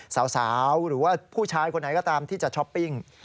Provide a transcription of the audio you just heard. สาวหรือว่าผู้ชายคนไหนก็ตามที่จะช้อปปิ้ง